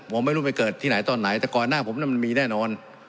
ผมไม่รู้ไปเกิดที่ไหนตอนไหนแต่ก่อนหน้าผมนั้นมันมีแน่นอน